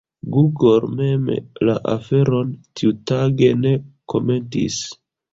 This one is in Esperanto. Google mem la aferon tiutage ne komentis.